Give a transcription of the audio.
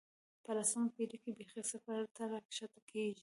په لسمه پېړۍ کې بېخي صفر ته راښکته کېږي.